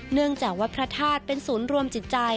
เนื่องจากวัดพระธาตุเป็นศูนย์รวมจิตใจ